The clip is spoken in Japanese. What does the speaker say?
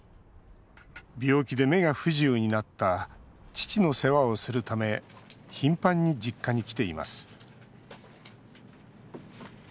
病気で目が不自由になった父の世話をするため頻繁に実家に来ています。